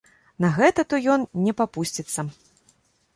На гэта то ён не папусціцца.